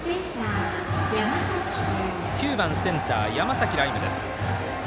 ９番センター、山崎徠夢です。